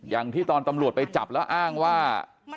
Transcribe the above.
อย่างที่ตอนตำรวจไปจับแล้วอ้างว่า